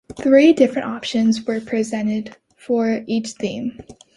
Three different options were presented for each theme.